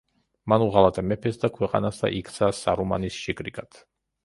მან უღალატა მეფეს და ქვეყანას და იქცა სარუმანის შიკრიკად.